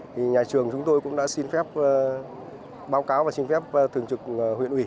thì nhà trường chúng tôi cũng đã xin phép báo cáo và xin phép thường trực huyện ủy